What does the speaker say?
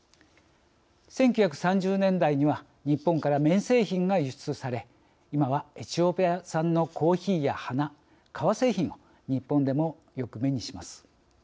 １９３０年代には日本から綿製品が輸出され今はエチオピア産のコーヒーや花革製品を日本でもよく目にします。